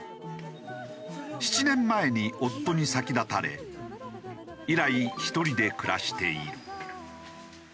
７年前に夫に先立たれ以来１人で暮らしている。